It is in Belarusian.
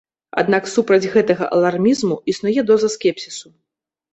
Аднак супраць гэтага алармізму існуе доза скепсісу.